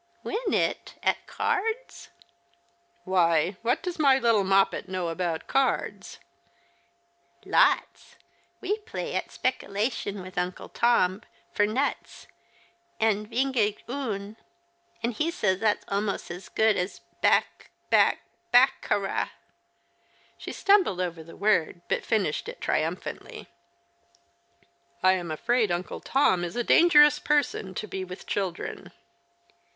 " Win it ? At cards ?"" Why, what does my little Moppet know about cards ?"" Lots. We play at spekilation with Uncle Tom, for nuts, and vingt et un, and he says that's almost as good as bac bac bac ca ra !" She stumbled over the word, but finished it triumphantly. " I am afraid Uncle Tom is a dangerous person to be with children."